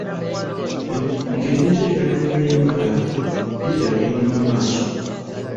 Ng'eby'enteekateeka y'embaga bikyagenda mu maaso.